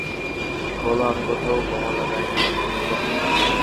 বলো আমি কোথাও বোমা লাগায় নি জানি।